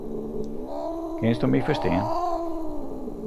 Kinsto my ferstean?